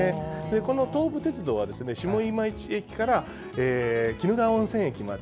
この東武鉄道は下今市駅から鬼怒川温泉駅まで。